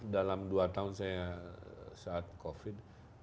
dalam dua tahun saya saat covid